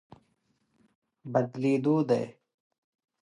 بدلېدو دی.